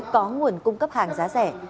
có nguồn cung cấp hàng giá rẻ